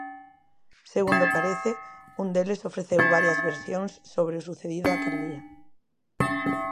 Segundo parece, un deles ofreceu varias versións sobre o sucedido aquel día.